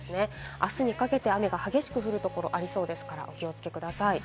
あすにかけて雨が激しく降るところがありそうですから、お気をつけください。